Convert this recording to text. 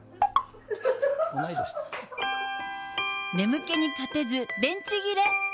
眠気に勝てず、電池切れ。